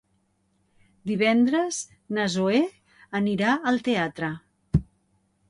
Divendres na Zoè anirà al teatre.